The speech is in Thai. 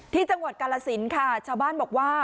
ที่จังหวัดกาลสินค่ะชาวบ้านบอกว่า